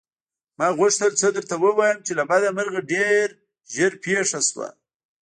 ما غوښتل څه درته ووايم چې له بده مرغه ډېر ژر پېښه شوه.